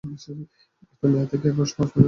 মূলত মে থেকে আগস্ট এবং নভেম্বর মাসে এদের দেখা মেলে।